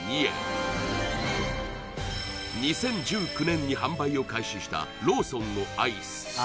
２０１９年に販売を開始したローソンのアイス